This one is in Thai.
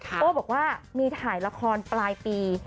โอ้บอกว่ามีถ่ายละครปลายปี